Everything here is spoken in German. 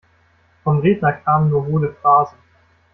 Vom Redner kamen nur hohle Phrasen.